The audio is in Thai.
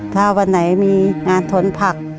ถ้าวันไหนมีงานทนผัก